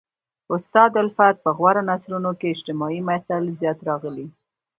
استاد الفت په غوره نثرونو کښي اجتماعي مسائل زیات راغلي.